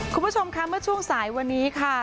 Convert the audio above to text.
คุณผู้ชมค่ะเมื่อช่วงสายวันนี้ค่ะ